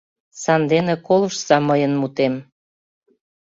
Сандене колыштса мыйын мутем.